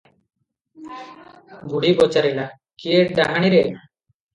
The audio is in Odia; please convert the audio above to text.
ବୁଢୀ ପଚାରିଲା - କିଏ ଡାହାଣୀରେ?